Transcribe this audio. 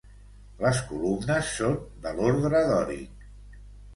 Les columnes són de l'ordre dòric.